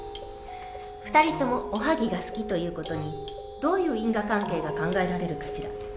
２人ともおはぎが好きという事にどういう因果関係が考えられるかしら？